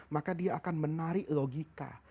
maka dia akan menarik logika